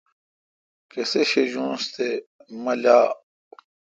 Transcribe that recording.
کسے شجونس تے مہ لاء۔